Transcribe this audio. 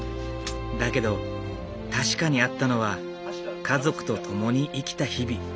だけど確かにあったのは家族と共に生きた日々。